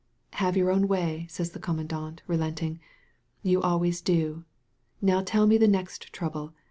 "Have your own way," says the commandant, relenting; "you always do. Now tell me the next trouble.